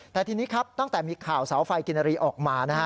แต่ทีนี้ครับตั้งแต่มีข่าวเสาไฟกินนารีออกมานะฮะ